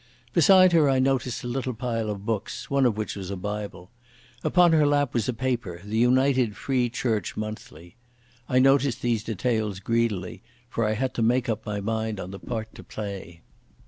Beside her I noticed a little pile of books, one of which was a Bible. Open on her lap was a paper, the United Free Church Monthly. I noticed these details greedily, for I had to make up my mind on the part to play.